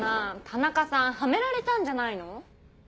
田中さんハメられたんじゃないの？